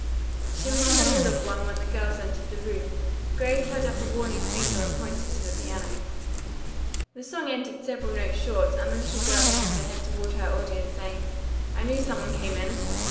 She was in the middle of one when the girls entered the room. Grace held up a warning finger and pointed to the piano. The song ended several notes short and the little girl turned her head toward her audience, saying, "I knew some one came in."